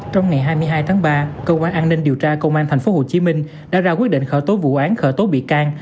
trong ngày hai mươi hai tháng ba cơ quan an ninh điều tra công an tp hcm đã ra quyết định khởi tố vụ án khởi tố bị can